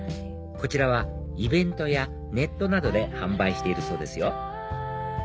こちらはイベントやネットなどで販売しているそうですよ